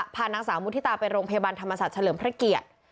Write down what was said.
พานางสาวมุฒิตาไปโรงพยาบาลธรรมศาสตร์เฉลิมพระเกียรติ